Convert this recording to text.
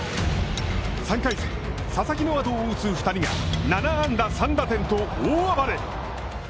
３回戦、佐々木の後を打つ２人が７安打３打点と大暴れ。